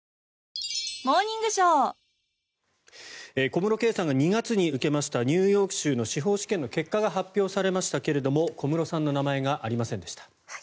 小室圭さんが２月に受けましたニューヨーク州の司法試験の結果が発表されましたが小室さんの名前がありませんでした。